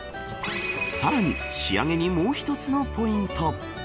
さらに、仕上げにもう１つのポイント。